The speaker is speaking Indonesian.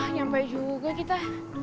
nyampe juga kita